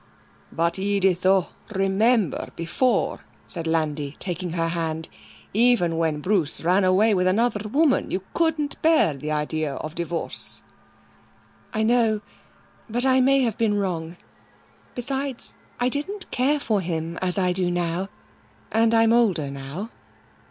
'But, Edith, oh, remember, before,' said Landi taking her hand, 'even when Bruce ran away with another woman, you couldn't bear the idea of divorce.' 'I know. But I may have been wrong. Besides, I didn't care for him as I do now. And I'm older now.'